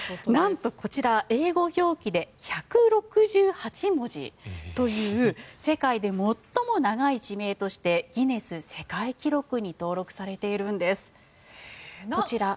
なんとこちら英語表記で１６８文字という世界で最も長い地名としてギネス世界記録に登録されているんです。